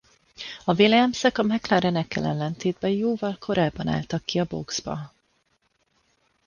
A Williamsek a McLarenekkel ellentétben jóval korábban álltak ki a boxba.